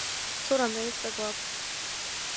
სულ რამდენი წრე გვაქვს?